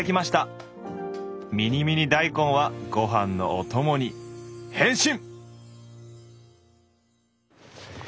ミニミニ大根はご飯のお供に変身！